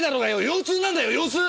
腰痛なんだよ腰痛！